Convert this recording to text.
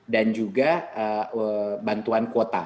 dan juga bantuan kuota